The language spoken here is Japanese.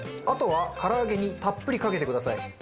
あとは唐揚げにたっぷりかけてください。